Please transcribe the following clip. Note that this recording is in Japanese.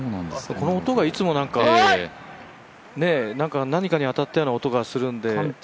この音がいつもなんか何かに当たったような音がするので。